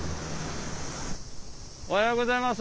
おはようございます。